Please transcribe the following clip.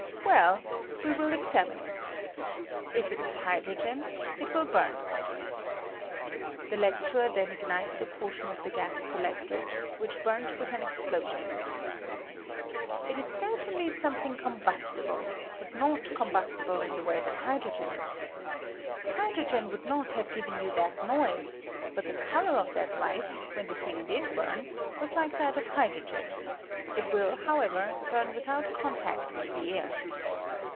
Well, we will examine it. If it is hydrogen it will bum. [The lecturer then ignited a portion of the gas collected, which burnt with an explosion.] It is certainly something combustible, but not com bustible in the way that hydrogen is. Hydro gen would not have given you that noise ; but the color of that light, when the thing did bum, was like that of hydrogen ; it will, how ever, bum without contact with the air.